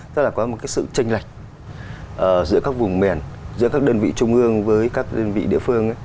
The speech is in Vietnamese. tức là có một cái sự tranh lệch giữa các vùng miền giữa các đơn vị trung ương với các đơn vị địa phương